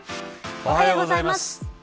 おはようございます。